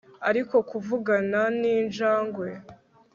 ariko kuvugana ninjangwe !